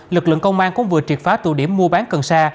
lực lượng công an cũng vừa triệt phá tụ điểm mua bán cần sa